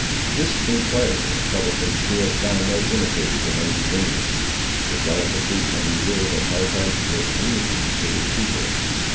This enquiring and troublesome spirit found no imitators among the Indians. The delicacy and reserve of Hard Heart were communicated to his people.